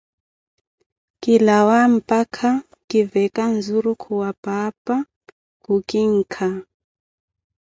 Kilawa mpakha kiveka nzurukhu wa paapa, khukinkha.